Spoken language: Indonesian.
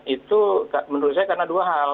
itu menurut saya karena dua hal